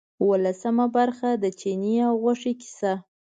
اوولسمه برخه د چیني او غوښې کیسه.